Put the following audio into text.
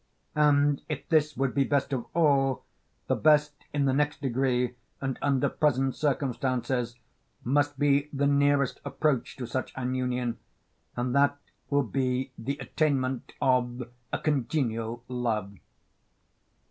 And if this would be best of all, the best in the next degree and under present circumstances must be the nearest approach to such an union; and that will be the attainment of a congenial love.